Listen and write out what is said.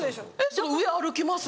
その上歩きます。